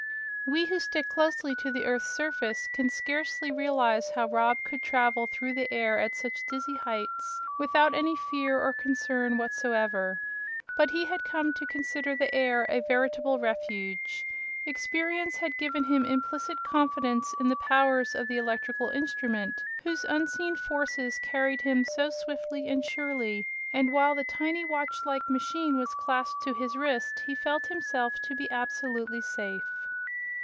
We who stick closely to the earth's surface can scarcely realize how Rob could travel through the air at such dizzy heights without any fear or concern whatsoever. But he had come to consider the air a veritable refuge. Experience had given him implicit confidence in the powers of the electrical instrument whose unseen forces carried him so swiftly and surely, and while the tiny, watch like machine was clasped to his wrist he felt himself to be absolutely safe.